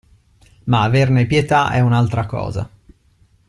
Ma averne pietà è un'altra cosa!